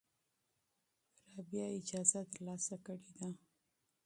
رابعه اجازه ترلاسه کړې ده.